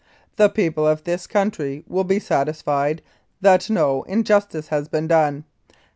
The people of this country will be satisfied that no injustice has been done.